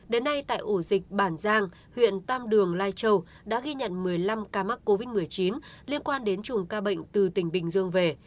đến nay tại ổ dịch bản giang huyện tam đường lai châu đã ghi nhận một mươi năm ca mắc covid một mươi chín liên quan đến chùm ca bệnh từ tỉnh bình dương về